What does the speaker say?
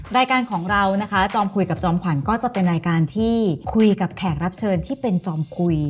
รายการของเรานะคะจอมคุยกับจอมขวัญก็จะเป็นรายการที่คุยกับแขกรับเชิญที่เป็นจอมคุย